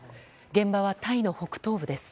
現場は、タイの北東部です。